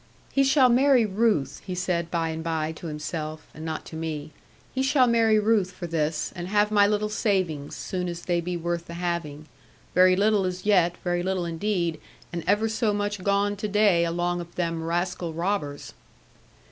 'He shall marry Ruth,' he said by and by to himself, and not to me; 'he shall marry Ruth for this, and have my little savings, soon as they be worth the having. Very little as yet, very little indeed; and ever so much gone to day along of them rascal robbers.'